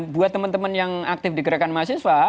buat teman teman yang aktif di gerakan mahasiswa